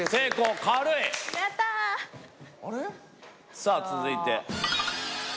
さぁ続いて。